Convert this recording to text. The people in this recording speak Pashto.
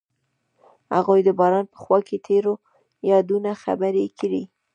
هغوی د باران په خوا کې تیرو یادونو خبرې کړې.